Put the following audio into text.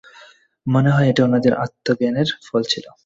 মনে হয় এটা উনাদের আত্মজ্ঞানের ফল ছিল।